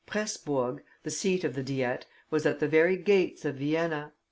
Presburg, the seat of the Diet, was at the very gates of Vienna.